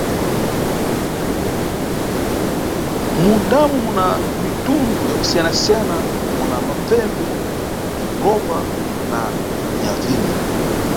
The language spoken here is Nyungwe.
Mundamu muna mitundu ya kusiyanasiyana, muna mabvembe ya mulopa na nyavinyu.